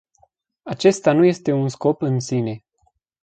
Acesta nu este un scop în sine.